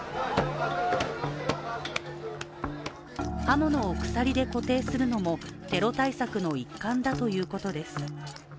刃物を鎖で固定するのもテロ対策の一環だということです。